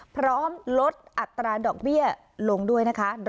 พร้อมลดอัตราดอกเบี้ยลงด้วยนะคะ